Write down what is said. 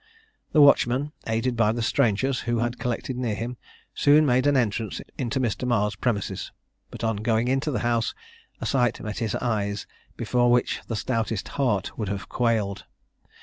The watchman, aided by the strangers who had collected near him, soon made an entrance into Mr. Marr's premises, but on going into the house a sight met his eyes, before which the stoutest heart would have quailed.